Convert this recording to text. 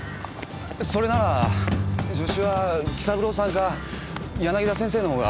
それなら助手は紀三郎さんか柳田先生のほうが。